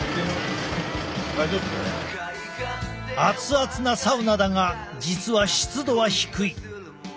アツアツなサウナだが実は湿度は低い。